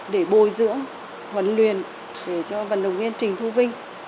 để bồi dưỡng huấn luyện để cho vận động viên trình thu vinh